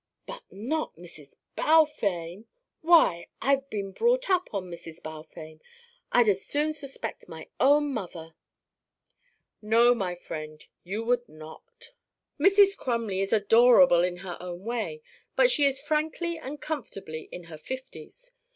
"But not Mrs. Balfame! Why I've been brought up on Mrs. Balfame. I'd as soon suspect my own mother." "No, my friend, you would not. Mrs. Crumley is adorable in her own way, but she is frankly and comfortably in her fifties.